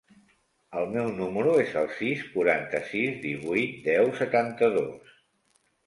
El meu número es el sis, quaranta-sis, divuit, deu, setanta-dos.